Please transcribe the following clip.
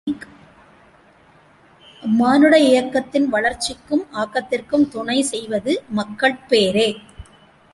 மானுட இயக்கத்தின் வளர்ச்சிக்கும் ஆக்கத்திற்கும் துணை செய்வது மக்கட் பேறே.